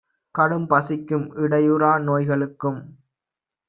கடும்பசிக்கும் இடையறா நோய்க ளுக்கும்